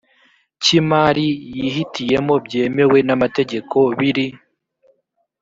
cy imari yihitiyemo byemewe n amategeko biri